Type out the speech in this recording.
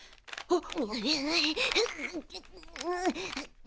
あっ！